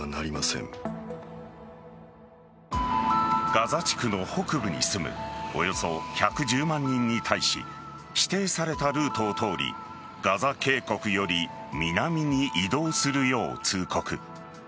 ガザ地区の北部に住むおよそ１１０万人に対し指定されたルートを通りガザ渓谷より南に移動するよう通告。